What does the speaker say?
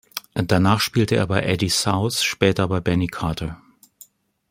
Danach spielte er bei Eddie South, später bei Benny Carter.